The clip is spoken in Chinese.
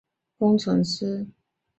后在布宜诺斯艾利斯大学学工程师。